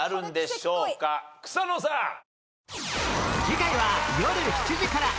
次回はよる７時から